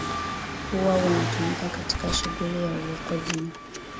huwa unatumika katika shughuli ya uokozi na